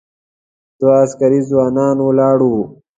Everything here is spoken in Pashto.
دوه عسکري ځوانان ولاړ و.